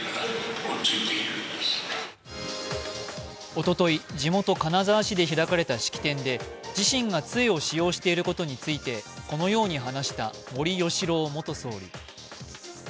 おととい、地元・金沢市で開かれた式典で自身が杖を使用していることについてこのように話した森喜朗元総理。